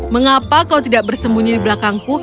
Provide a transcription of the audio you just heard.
mengapa kau tidak bersembunyi di belakangku